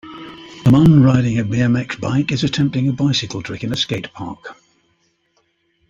A man riding a BMX bike is attempting a bicycle trick in a skate park.